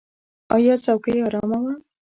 ایا څوکۍ ارامه وه؟